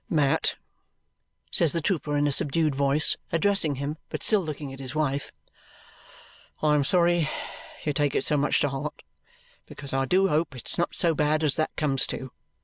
"Mat," says the trooper in a subdued voice, addressing him but still looking at his wife, "I am sorry you take it so much to heart, because I do hope it's not so bad as that comes to.